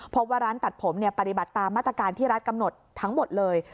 พบว่าร้านตัดผมปฏิบัติตามมาตรการที่รัฐกำหนดทั้งหมดเลย